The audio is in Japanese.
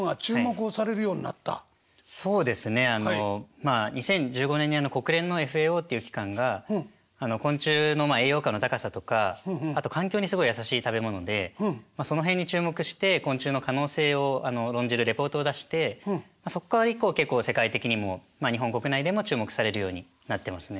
まあ２０１５年に国連のＦＡＯという機関が昆虫の栄養価の高さとかあと環境にすごい優しい食べ物でその辺に注目して昆虫の可能性を論じるレポートを出してそこから以降結構世界的にも日本国内でも注目されるようになってますね。